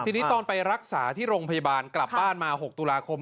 ทีนี้ตอนไปรักษาที่โรงพยาบาลกลับบ้านมา๖ตุลาคม